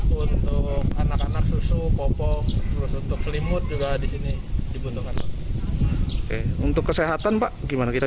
untuk anak anak susu popok selimut juga disini untuk kesehatan pak gimana kita